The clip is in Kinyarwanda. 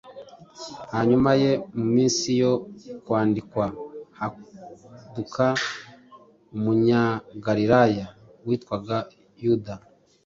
Hanyuma ye mu minsi yo kwandikwa haduka Umunyagariraya witwaga Yuda,